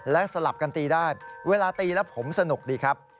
และสลับกันตีได้เวลาตีแล้วผมสนุกดีครับ